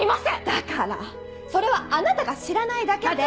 だからそれはあなたが知らないだけで。